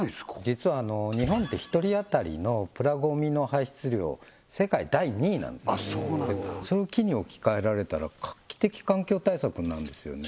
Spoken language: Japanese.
実は日本って１人あたりのプラゴミの排出量世界第２位なんですそれを木に置き換えられたら画期的環境対策になるんですよね